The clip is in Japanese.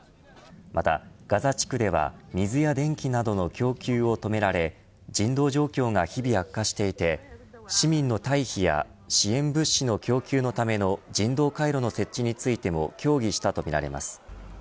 またガザ地区では、水や電気などの供給を止められ人道状況が日々悪化していて市民の退避や支援物資の供給のための人道回廊の設置についても協議したとみられます。